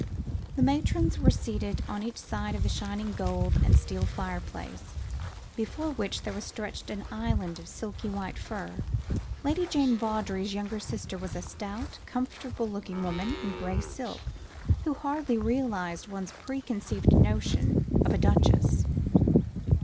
The matrons were seated on each side of the shining gold and steel fireplace, before which there stretched an island of silky white fur. Lady Jane Vawdrey's younger sister was a stout, comfortable looking woman in gray silk, who hardly realised one's preconceived notion of a duchess.